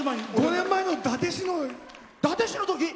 ５年前の伊達市の。